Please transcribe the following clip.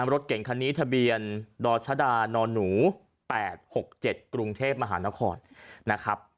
รถเก่งคันนี้ทะเบียนดรชดานหนู๘๖๗กรุงเทพมหานครนะครับ